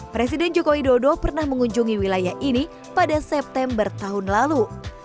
presiden jokowi dodo pernah mengunjungi wilayah ini pada september tahun lalu